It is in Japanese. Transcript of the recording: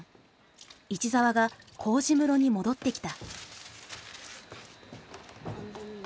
市澤が麹室に戻ってきた。